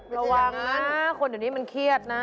ระวังนะคนเดี๋ยวนี้มันเครียดนะ